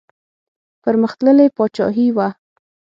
پرمختللې پاچاهي وه.